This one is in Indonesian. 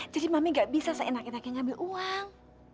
jadi mami nggak bisa seenak enaknya ngambil uang